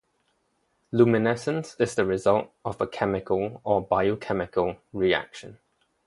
Luminescence is the result of a chemical or biochemical reaction.